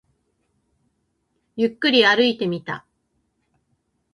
ゆっくり歩いてみた